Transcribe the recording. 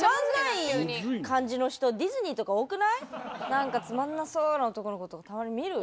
なんかつまんなそうな男の子とかたまに見るよ。